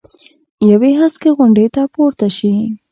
یوې هسکې غونډۍ ته پورته شي.